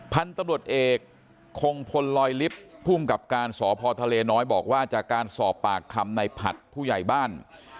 พันธุ์ตำรวจเอกคงพลลอยลิฟต์ภูมิกับการสพทะเลน้อยบอกว่าจากการสอบปากคำในผัดผู้ใหญ่บ้าน